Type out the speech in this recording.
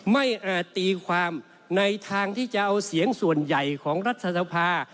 ตีความในทางที่จะเอาเสียงส่วนใหญ่ของรัฐสภา